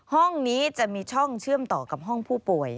ห้องนี้จะมีช่องเชื่อมต่อกับห้องผู้ป่วย